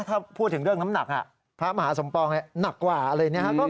ถ้าพูดถึงเรื่องน้ำหนักพระมหาสมปองนี่หนักกว่าเลยนะครับ